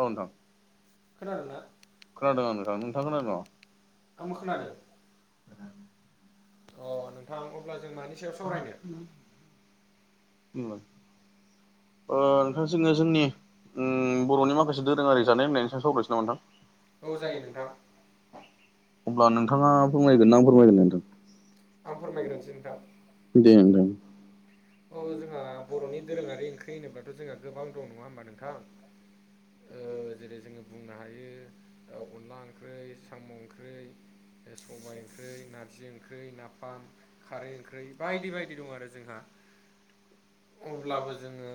औ नोंथां। खोनादोंना खोनादों आं नोंथां। नोंथां आ खोनादोंन! आंबो खोनादों अ नोंथां अब्ला जों मानि सायाव सावरायनो? [unintelligible] नोंथां जोङो जोंनि उम बर'नि माखासे दोरोङारि जानाय लोंनायनि सायाव सावरायनोसै नामा नोंथां! औ जायो नोंथां [inaudible] अब्ला नोंथाङा फोरमायगोन ना आं फोरमायगोन नोंथां? आं फोरमायग्रोनोसै नोंथां। दे होनदों अ जोंहा बर'नि दोरोङारि ओंख्रि होनोब्लाथ' जोंहा गोबां दं नङा होमबा नोंथां! ओ जेरै जोङो बुंनो हायो अनला ओंख्रै साम' ओंख्रै सबायाइ ओंख्रि, नारजि ओंख्रै, नाफाम, खारै ओंख्रै बायदि बायदि दं आरो जोंहा अब्लाबो जोङो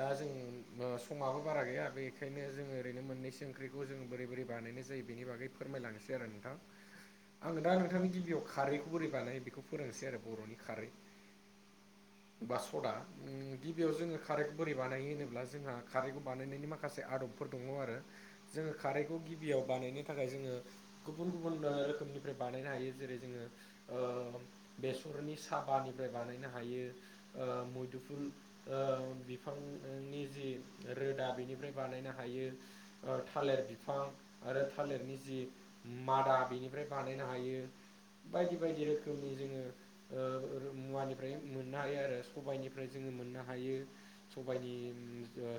दा जों समाबो बारा गैया बेखायनो जोङो। ओरैनो मोननैसो ओंख्रिखौ जों बोरै बोरै बानायनाय जायो बेनि बागै फोरमायलांनोसै आरो नोंथां आङो दा नोंथांनि गिबियाव खारैखौ बोरै बानायो बेखौ फोरोंसै आरो बर'नि खारै बा सदा गिबियाव जोङो खारैखौ बोरै बानायो होनोब्ला जोंहा खारैखौ बानायनायनि माखासे आद'ब फोर दङ आरो जोङो खारैखौ गिबियाव बानायनो थाखाय जोङो गुबुन गुबुन रोखोमनिफ्राय बानायनो हायो जेरै जोङो ओ बेसरनि साबानिफ्राय बानायनो हा हायो। ओ मदुफुल ओ बि बिफांनि जि रोदा बेनिफ्राय बानायनो हायो। थालिर बिफां आरो थालिरनि जि मादा बेनिफ्राय बानायनो हायो बायदि बायदि रोखोमनि जोङो ओ मुवानि मोननो हायो आरो। सबाइनिफ्राय जोङो मोननो हायो सबायनि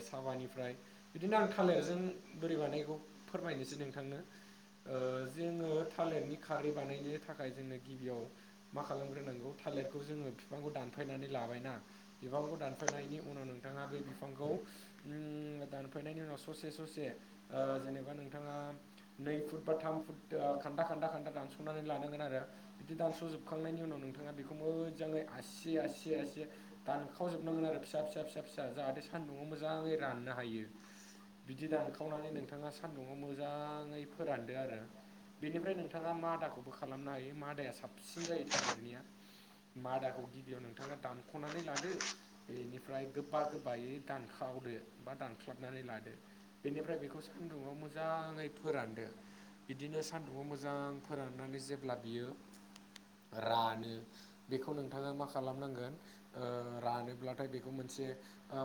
साबानिफ्राय बिदिनो आं थालिरजों बोरै बानायो बेखौ फोरमायनोसै नोंथांनो। ओ जोङो थालेरनि खारै बानायनो थाखाय जोंनो गिबियाव मा खालामग्रोनांगौ थालिरखौ जोङो बिफांखौ दानफायनानै लाबायना बिफांखौ दानफायनायनि उनाव नोंथाङा बै बिफांखौ नों दानफायनायनि उनाव ससे ससे ओ जेनेबा नोंथाङा नै फुट बा थाम फुट खान्दा खान्दा खान्दा दानस'नानै लानांगोन आरो बिदि दानस'जोब जोबखांनायनि उनाव नोंथाङा बेखौ मोजाङै आसि आसि आसि दानखावजोबनांगोन आरो फिसा फिसा फिसा फिसा जाहाथे सान्दुङआव मोजाङै राननो हायो बिदि दानखावनानै नोंथाङा सान्दुङाव मोजाङै फोरानदो आरो। बेनिफ्राय नोंथाङा मादाखौबो खालामनो हायो मादाया साबसिन जायो थालिरनिया मादाखौ औ गिबियाव नोंथाङा दानख'नानै लादो, बेनिफ्राय गोबा गोबायै दानखावदो बा दानसख्लाबनानै लादो बेनिफ्राय बेखौ सान्दुंङआव मोजाङै फोरानदो बिदिनो सान्दुंआव मोजां फोराननानै जेब्ला बियो रानो बेखौ नोंथाङा मा खालामनांगोन रानोब्लाथाय बेखौ मोनसे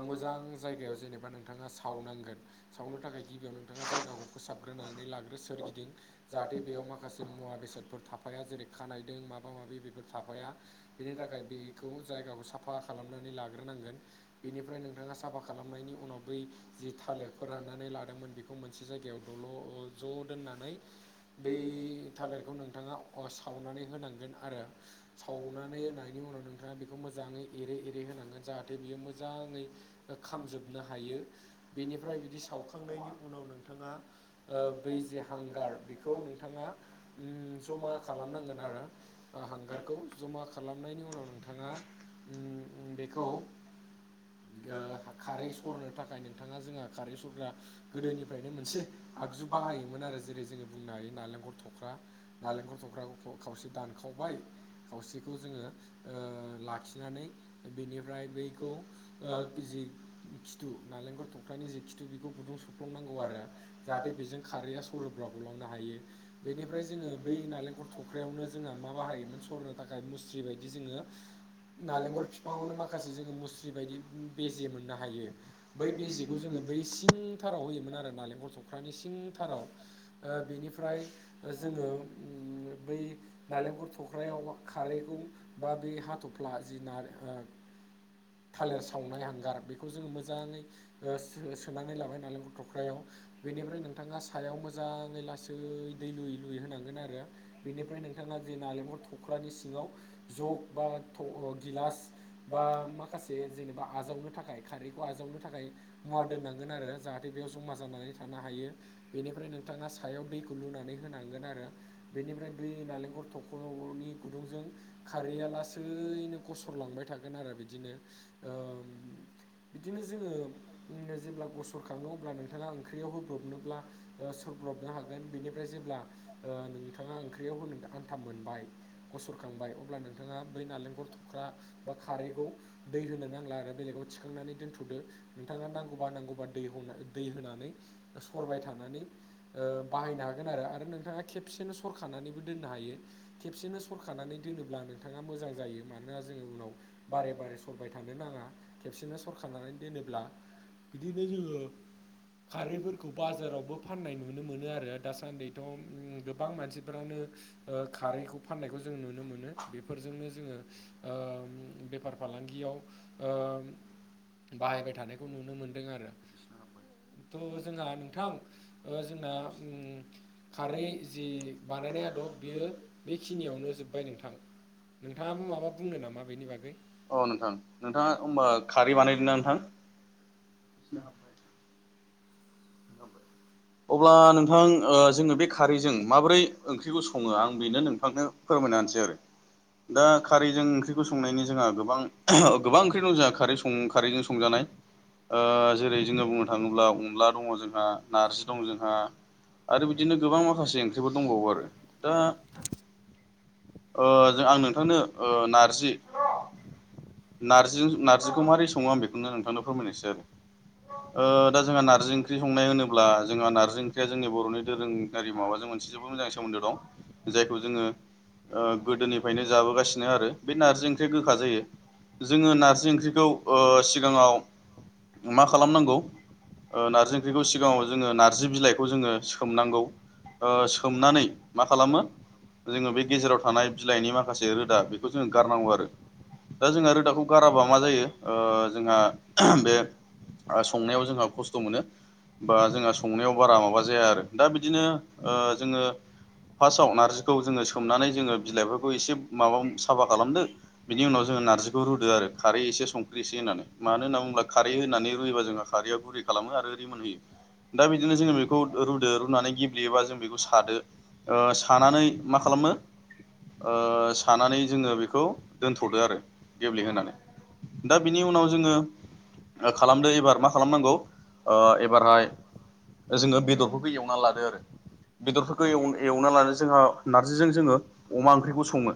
मोजां जायगायाव जेनेबा नोंथाङा सावनांगोन। सावनो थाखाय गिबियाव नोंथाङा जायगाखौ फोसाबग्रोनानै लाग्रो सोरगिदिं जाहाथे बेयाव माखासे माखासे मुवा बेसादफोर थाफाया जेरै खानायदों माबा माबि बेफोर थाफाया बेनि थाखाय बेखौ जायगाखौ साफा खालामनानै लाग्रोनांगोन। बेनिफ्राय नोंथांङा साफा खालामनायनि उनाव बै जि थालिरखौ राननानै लादोंमोन बेखौ खौ मोनसे जायगायाव दल'र ज' दोननानै बै थालिरखौ नोंथांङा सावनानै होनांगोन आरो सावनानै होनायनि उनाव नों बेखौ मोजांङै एरे एरे होनांगोन जाहाथे बियो मोजाङै खामजोबनो हायो। बेनिफ्राय बिदि सावखांनायनि उनाव नोंथांङा ओ बै जे हांगार बेखौ नोंथाङा ओम जमा खालामनांगोन आरो। हांगारखौ जमा खालामनायनि उनाव नोंथाङा उम बेखौ ओ खारै सरनो थाखाय नोंथांङा जोंहा खारै सरग्रा गोदोनिफ्रायनो मोनसे आगजु बाहायोमोन आरो जेरै जोङो बुंनो हायो नालेंखर थख्रा नालेंखर थख्राखौ खावसे दानखावबाय खावसेखौ खौ जोंङो लाखिनानै बेनिफ्राय बैखौ ओ जि खिथु नालेंखर थख्लानि जि खिथु बेखौ गुदुं सु खुफ्लंनांगौ आरो जाहाथे बेजों खारैआ सरोबा गलांनो हायो बेनिफ्राय जोंङो बै नालेंख थख्रयावनो जोंहा मा बाहायोमोन सरनो थाखाय मुस्रि बायदि जोङो नालेंखर बिफांआवनो माखासे माखासे जोंङो मुस्रि बायदि बेेजे मोननो हायो बै बेेखौ जोंङो बै सिं थाराव होयोमोन आरो नालेंखल सख्रानि सिं थाराव बेनिफ्राय जोंङो बै नालेंखल थख्रायाव मा खा खारैखौ बा बे हाथ'फ्ला जि नारें ओ थालिर सावनाय हांगार बेखौ जोंङो मोजांङै सोनानै लाबाय नालेंखर थख्रायाव बेनिफ्राय नोंथांङा सायाव मोजांङै लासै दै लुयै लुयै होनांगोन आरो बिनिफ्राय नोंथांङा जे नालेंखर थ' खख्रानि सिंङाव जग बा थग्र गिलास बा माखा माखासे जेनेबा आजावनो थाखाय खारैखौ आजावनो थाखाय मुवा दोननांगोन आरो जाहाथे बेयाव जमा जानानै हायो बेनिफ्राय नोंथांङा सायाव दैखौ लुनानै होनांगोन आरो बेनिफ्राय दै नालेंखर थख हलं गलंनि गुदुंजों खारैया लासैनो गसरलांबाय थागोन आरो बिदि बिदिनो ओ बिदिनो जोङो जेब्ला गसर खांङो अब्ला नोंथाङा ओंख्रियाव होब्रबनोब्ला ओ सरब्रबनो हागोन बेनिफ्राय जेब्ला नोंथाङा ओंख्रियाव होनो आन्थाम मोनबाय सुरखांबाय अब्ला नोंथांङा बै नालेंखर थुख्रा बा खारैखौ दै होनो नांला आरो आरो बेलेगाव थिखांनानै दोन्थ'दो नोंथांङा नांगौबा नांगौबा दै दै होनानै सरबाय थानानै बाहायनो हागोन आरो आरो नोंथांङा खेबसेनो सरखानानैबो दोननो हायो। खेबसेनो सर खानानै दोनोब्ला नोंथांङा मोजां जायो मानोना जोंङो उनाव बारे बारे सरबाय थानो नाङा खेबसेनो सरखानानै दोनोब्ला बिदिनो जोंङो खारैफोरखौ बाजारावबो फाननाय नुनो मोनो आरो दासान्दिथ' गोबां मानसिफ्रानो खारैखौ फाननायखौ जों नुनो मोनो बेफोरजोंनो जोंङो ओ बेफार फालांगियाव ओ बाहायबाय थानायखौ नुनो मोनदों आरो। थ' जोंहा नोंथां जोंना उम खारै जि बानायनाय आदब बियो बेखिनियावनो जोब्बाय नोंथां नोंथाङाबो माबा बुंनो नामा बेनि बागै औ नोंथां नोंथाङा ओबा खारै बानायदोंना नोंथां? अब्ला नोंथां जोंङो बे खारैजों माबोरै ओंख्रिखौ संङो आं आं बेनो नोंथांनो फोरमायना होनसै आरो। दा खारैजों नारजि ओंख्रिखौ संनायनि जोंहा गोबां गोबां ओंख्रि दं जोंहा खारै सं खारैजोंं सं संजानाय ओ जेरै जोंङो बुंनो थांङोब्ला अनला दङ जों दा नार्जि दं जोंहा आरो बिदिनो गोबां माखासे ओंख्रिफोर दंबावो आरो दा ओ जों आं नोंथांनो नारजि नारजि बिलाइखौ नारजिखौ माबोरै संङो आं बेखौनो नोंथांनो फोरमायनोसै आरो। [unintelligible] ओ दा जोंहा नारजि ओंख्रि संनाय होनोब्ला जोंहा नारजि ओंख्रिया जोंनि बर'नि दोरोङारि माबाजों मोनसे जोबोद मोजां सोमोन्दो दं जायखौ जोंङो ओ गोदोनिफ्रायनो जाबोगासिनो आरो बे नारजि ओंख्रिया गोखा जायो। जोंङो नारजि ओंख्रिखौ सिगांङाव मा खालामनांगौ? ओ नारजि ओंख्रिखौ सिगांङाव जोंङो नारजि बिलाइखौ जोंङो सोमनांगौ। ओ सोमनानै मा खालामो? जोंङो बे गेजेराव थानाय बिलाइनि माखासे रोदा बेखौ जोंङो गारनांगौ आरो, दा जोंहा रोद दाखौ गाराबा मा जायो ओ जोंहा बे ओ संनायाव जोंहा खस्थ' मोनो। बा जोंहा संनायाव बारा माबा जाया आरो दा बिदिनो जोंङो फार्स्टआव नारजिखौ जोंङो सोमनानै जोंङो बिलाइफोरखौ एसे माबा साफा खालामदो। बि उनाव जोंङो नारजि बेखौ रुदो आरो खारै एसे संख्रि एसे होनानै, मानो होनना बुंङोब्ला? खारै होनानै रुयोबा जोंहा खारैया गुरै खालामो आरो ओरिमोनहोयो दा बिदिनो जोंङो बेखौ रुदो रुनानै गेब्लेयोबा जों बेखौ सादो। ओ सानानै मा खालामो? ओ खालामो सानानै जोंङो जोङो बेखौ दोनथ'दो बेदरफोरखौ एवना आरो गेब्लेहोनानै। लादो दा आरो बिनि उनाव जोंङो खालामदो एबार मा खालामनांगौ एबारहाय जोंङो बेदरफोरखौ एवना लादो आरो। बेदरफोरखौ एल एवना लानो जोंहा नारजिजों जोंङो अमा ओंख्रिखौ संङो।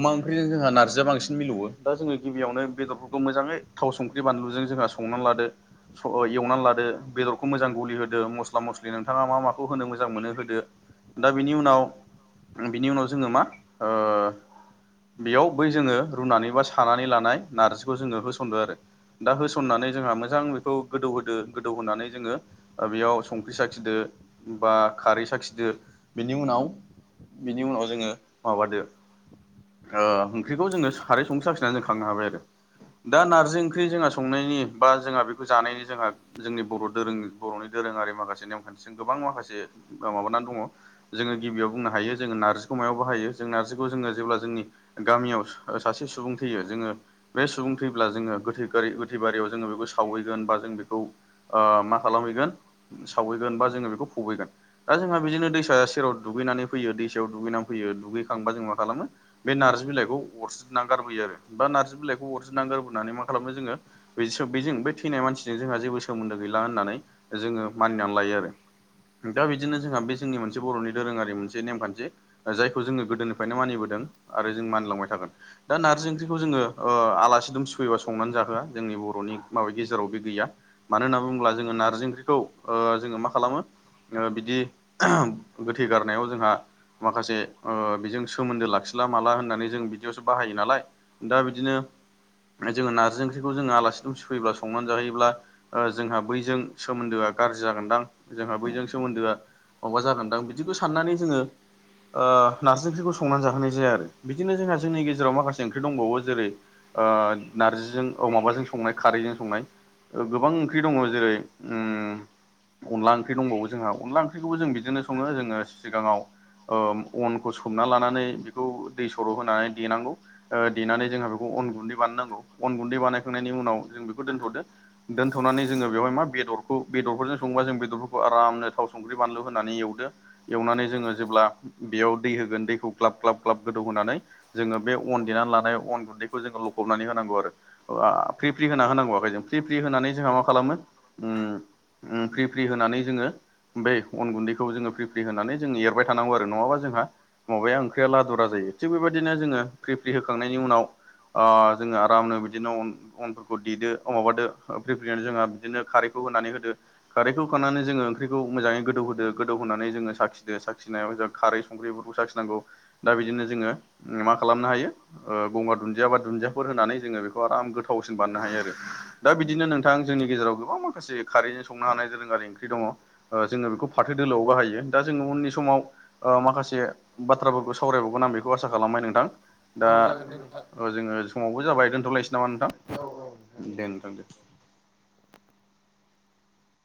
अमाओंख्रिजों जोंहा नारजि बांसिन मिलौ दा जोंङो गिबियावनो बेदरफोरखौ मोजांङै थाव संख्रि बानलुजों जोंहा संनानै लादो। एवनानै लादो बेदरखौ मोजां गलि होदो मस्ला मस्लि नोंथांङा मा माखौ होनो मोजां मोनो होदो। दा बिनि उनाव बिनि उनाव जोंङो जोङो मा? बेयाव नारजिखौ ओ होनानै बेयाव बै जोंङो रुनानै बा सानानै लानाय नारजिखौ जोंङो होसनदो आरो। दा होसननानै जोंहा मोजां बेखौ गोदौ होदो गोदौ होनोनानै जोङो बेयाव संख्रि साखिदो बा खारै साखिदो बेनि उनाव बिनि उनाव जोंङो माबादो ओंख्रिखौ जोंङो सारै संस्रा नानै जों खांनो हाबाय आरो दा नारजि ओंख्रि जोंहा संनायनि बा जोंहा बेखौ जानायनि जोंहा जोंनि बर' दोरों बर'नि दोरोंङारि माखासे नेमखान्थिजों गोबां माखासे माबानानै दङ। जोंङो गिबियाव बुंनो हायो जोंङो नारजिखौमायाव बाहायो जों नारजिखौ जोंङो जेब्ला जोंनि गामियाव सासे सुबुं थैयो जोंङो बे सुबुं थैब्ला जोंङो गोथै गोथै बारियाव जोंङो बेखौ सावहैगोन बा जों बेखौ मा खालामहैगोन सावहैगोन बा जोङो बेखौ फुबैगोन। दा जोंहा बिदिनो दैस सेराव दुगैनानै फैयो दैसायाव दुगैनानै फैयो दुगैखांबा जों मा खालामो बे नारजिलाइखौ अरस्रिनानै गारबोयो आरो। बा नारजि बिलाइखौ अरजिरनानै गोरोबोनानै मा खालामो जोंङो? बे बेजों बे थैनाय मानसिजों जोंहा जेबो सोमोन्दो गैला होननानै जोंङो मानिनानै लायो आरो। दा बिदिनो जोंहा बे जोंनि मोनसे बर'नि दोरोंङारि मोनसे नेम‌ खान्थि। जायखौ जोंङो गोदोनिफ्रायनो मानिबोदों आरो जों मानिलांबाय थागोन। दा नारजि ओंख्रिखौ जोंङोओ आलासि दुम सुफैयोबा संनानै जाहोआ जोंनि बर'नि माबा गेजेराव बे गैया। मानो होनना बुङोब्ला जोङो नार्जि ओंख्रिखौ जोङो मा खालामो? ओ बिदि गोथै गारनायाव जोंहा माखासे ओ बेजों सोमोन्दो लाखिला माला होननानै जों बिदियावसो बाहायो नालाय। दा बिदिनो जोंङो नारजि ओंख्रिखौ जोंङो आलासि दुमसि फैयोब्ला संनानै जाहैयोब्ला ओ जोंहा बैजों सोमोन्दोआ गाज्रि जागोनदां जोंहा बैजों सोमोन्दोआ माबा जागोनदां बिदिखौ साननानै जोंङो ओ नारजि ओंख्रिखौ संनानै जाहोनाय जाया आरो बिदिनो जोंहा जोंनि गेजेराव माखासे ओं ख्रि दंबावो जेरै-ओ नारजिजों औ माबाजों संनाय खारैजों संनाय। ओ गोबां ओंख्रि दङ जेरै- उम अनला ओंख्रि दंबावो जोंहा अनला ओंख्रिखौबो जों बिदिनो सङो। जोङो सिगाङाव ओ अनखौ सोमना लानानै बेखौ दै सर' होनानै देनांगौ। ओ देनानै जोंहा बेखौ अन गुन्दै बानायनांगौ। अन गुन्दै बानायखांनायनि उनाव जों बेखौ दोन्थ'दो। दोनथ'नानै जोङो बेवहाय मा बेदरखौ बेदरफोरजों सङोबा जों बेदरफोरखौ आरामनो थाव संख्रि बानलु होनानै एवदो। एवनानै जोङो जेब्ला बेयाव दै होगोन। दैखौ ग्लाब ग्लाब ग्लाब गोदौहोनानै जोङो बे अन देनानै लानाय अन गुन्दैखौ जोङो लखबनानै होनांगौ आरोओ फ्रि फ्रि होना होनांगौ। जों फ्रि फ्रि फ्रि होनानै जोंहा मा खालामो उम उम फ्रि फ्रि होनानै जोङो बे अन गुन्दैखौ जोङो फ्रि फ्रि होनानै। जों एरबाय थानांगौ आरो नङाबा जोंहा माबाया ओंख्रिया लादुरा जायो। थिग बेबायदिनो जोङो फ्रि फ्रि होखांनायनि उनाव आ जोङो आरामनो बिदिनो अनफोरखौ देदो औ माबादो फ्रि फ्रि होनानै जोंहा बिदिनो खारैखौ होनानै होदो। खारैखौ होखांनानै जोङो ओंख्रिखौ मोजाङै गोदौ होदो गोदौ होनानै जोङो साखिदो। साखिनायाव जोंहा खारै संख्रिफोरखौ साखिनांगौ। दा बिदिनो जोङो मा खालामनो हायो ओ गंगार दुन्दिया बा दुन्दियाफोर होनानै जोङो बेखौ आराम गोथावसिन बाननो हायो आरो। दा बिदिनो नोंथां जोंनि गेजेराव गोबां माखासे। खारैजों संनो हानाय दोरोंङारि ओंख्रि दङ। ओ जोङो बेखौ फाथो दोलोआव बाहायो। दा जोङो उननि समाव ओ माखासे बाथ्राफोरखौ सावरायबावगोन। आं बेखौ आसा खालामबाय नोंथां। दा औ जागोन दे नोंथां जोङो समावबो जाबाय दोनथ'लायसै नामा नोंथां औ औ दे नोंथां दे।